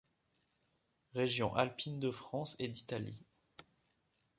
Régions alpines de France et d'Italie.